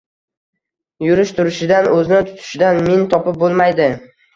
Yurish-turishidan, o‘zini tutishidan min topib bo‘lmaydi